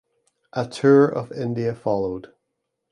A tour of India followed.